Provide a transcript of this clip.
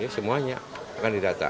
semuanya akan didata